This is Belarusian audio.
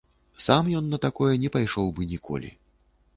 Сам ён на такое не пайшоў бы ніколі.